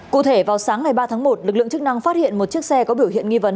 cụ thể vào sáng ngày ba tháng một lực lượng chức năng phát hiện một chiếc xe có biểu hiện nghi vấn